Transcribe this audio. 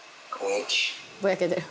「ぼやけてる。